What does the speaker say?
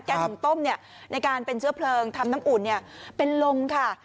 ถุงต้มในการเป็นเชื้อเพลิงทำน้ำอุ่นเป็นลมค่ะ